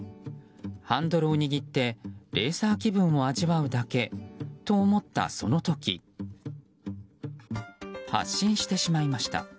ハンドルを握ってレーサー気分を味わうだけと思った、その時発進してしまいました。